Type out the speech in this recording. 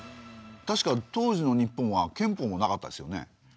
確か当時の日本は憲法もなかったですよね。